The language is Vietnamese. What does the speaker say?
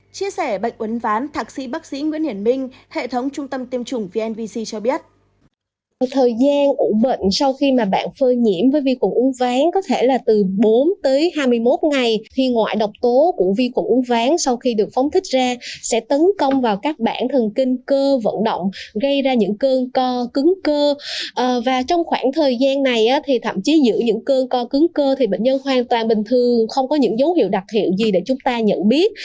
chia sẻ bệnh uốn ván thạc sĩ bác sĩ nguyễn hiển minh hệ thống trung tâm tiêm chủng vnvc cho biết